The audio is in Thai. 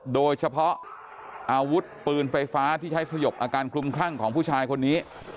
โดยเฉพาะอาวุธปืนไฟฟ้าที่ใช้สยบอาการคลุมคลั่งของผู้ชายคนนี้